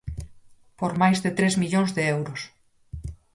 Por máis de tres millóns de euros.